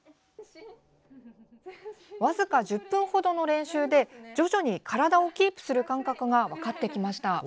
僅か１０分ほどの練習で徐々に体をキープする感覚が分かってきました。